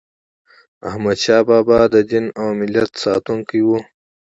احمدشاه بابا د دین او ملت ساتونکی و.